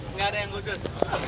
enggak ada yang khusus